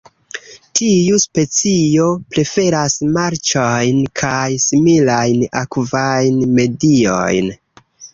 Tiu specio preferas marĉojn kaj similajn akvajn mediojn.